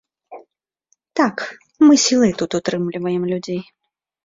Так, мы сілай тут утрымліваем людзей.